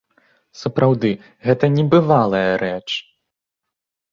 Сапраўды, гэта небывалая рэч!